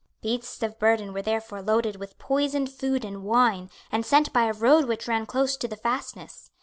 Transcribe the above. Beasts of burden were therefore loaded with poisoned food and wine, and sent by a road which ran close to the fastness.